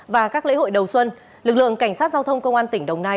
và các lễ hội đầu xuân lực lượng cảnh sát giao thông công an tỉnh đồng nai